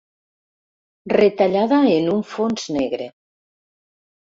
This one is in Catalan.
Retallada en un fons negre.